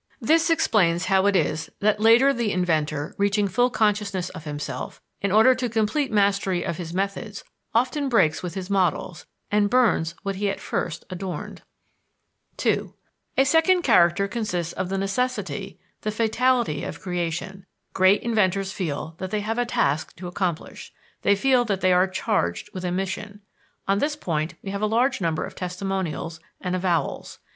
This explains how it is that later the inventor, reaching full consciousness of himself, in order to complete mastery of his methods, often breaks with his models, and burns what he at first adorned. II A second character consists of the necessity, the fatality of creation. Great inventors feel that they have a task to accomplish; they feel that they are charged with a mission. On this point we have a large number of testimonials and avowals.